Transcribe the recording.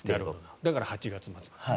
だから８月末まで。